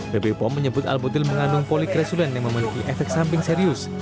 pp pom menyebut al botil mengandung polikresulen yang memiliki efek samping serius